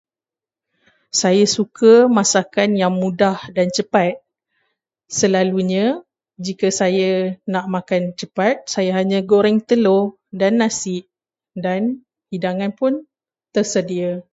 Saya suka masakan yang mudah dan cepat. Selalunya, jika saya nak makan cepat, saya hanya goreng telur dan nasi, dan hidangan pun tersedia.